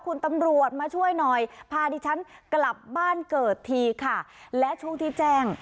คุณตำรวจมาช่วยหน่อยพาดิฉันกลับบ้านเกิดทีค่ะและช่วงที่แจ้ง